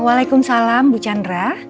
waalaikumsalam bu chandra